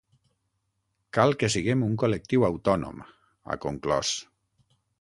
Cal que siguem un col·lectiu autònom, ha conclòs.